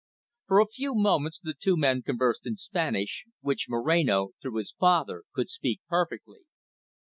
For a few moments the two men conversed in Spanish, which Moreno, through his father, could speak perfectly.